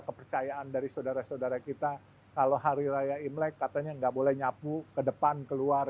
kepercayaan dari saudara saudara kita kalau hari raya imlek katanya nggak boleh nyapu ke depan keluar